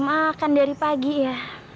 makan dari pagi ya